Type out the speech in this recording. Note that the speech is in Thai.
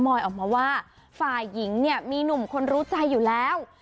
อยออกมาว่าฝ่ายหญิงเนี่ยมีหนุ่มคนรู้ใจอยู่แล้ว